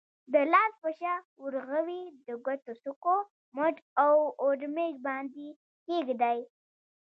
د لاس په شا، ورغوي، د ګوتو څوکو، مټ او اورمیږ باندې کېږدئ.